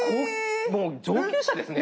もう上級者ですね。